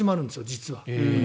実は。